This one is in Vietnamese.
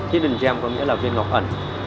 heidengem có nghĩa là viên ngọc ẩn